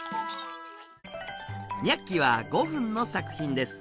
「ニャッキ！」は５分の作品です。